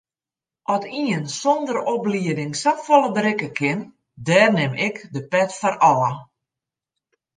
At ien sonder oplieding safolle berikke kin, dêr nim ik de pet foar ôf.